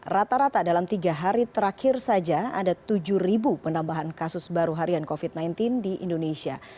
rata rata dalam tiga hari terakhir saja ada tujuh penambahan kasus baru harian covid sembilan belas di indonesia